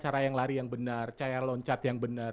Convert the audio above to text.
cara yang lari yang benar cara loncat yang benar